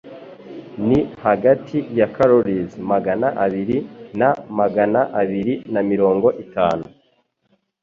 ni hagati ya calories Magana abiri na magana abiri mirongo itanu